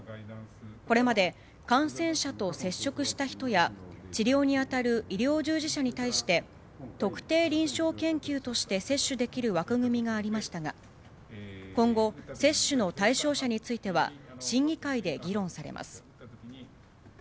これまで感染者と接触した人や、治療に当たる医療従事者に対して、特定臨床研究として接種できる枠組みがありましたが、今後、接種の対象者については、審議会で議論されます。